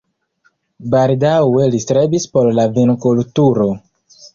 Baldaŭe li strebis por la vinkulturo.